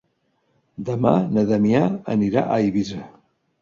Demà na Damià anirà a Eivissa.